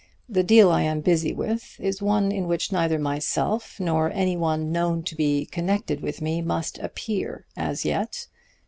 The deal I am busy with is one in which neither myself nor any one known to be connected with me must appear as yet.